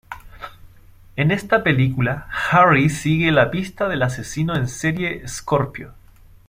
En esta película Harry sigue la pista del asesino en serie Scorpio.